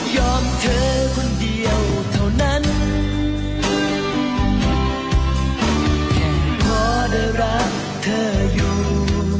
เธอคนเดียวเท่านั้นพอได้รักเธออยู่